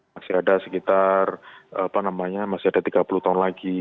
masih ada sekitar apa namanya masih ada tiga puluh tahun lagi